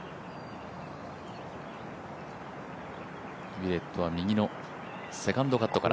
ウィレットは右のセカンドカットから。